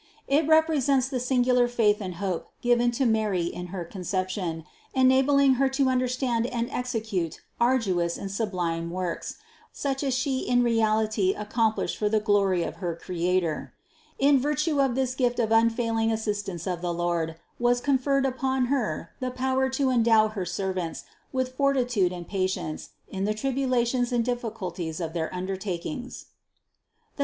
It represents the singular faith and hope given to Mary in her Conception, enabling Her to understand and execute arduous and sublime works, such as She in reality accomplished for the glory of Her Creator. In virtue of this gift of unfailing assistance of the Lord, was conferred upon Her the power to endow her ser vants with fortitude and patience in the tribulations and difficulties of their undertakings.